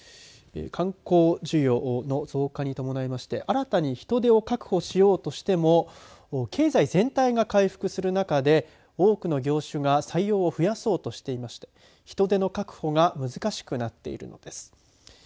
観光需要の増加に伴いまして新たに人手を確保しようとしても経済全体が回復する中で多くの業種が採用を増やそうとしていまして人手の確保が難しくなっているのです。